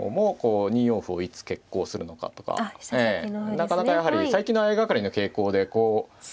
なかなかやはり最近の相掛かりの傾向でこう。